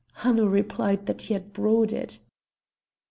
Hanno replied that he had brought it.